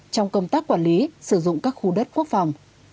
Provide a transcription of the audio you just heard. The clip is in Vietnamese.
trong công tác quản lý sử dụng các khu đất quốc phòng